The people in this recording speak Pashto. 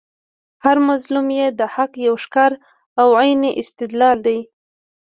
هر مظلوم ئې د حق یو ښکاره او عیني استدلال دئ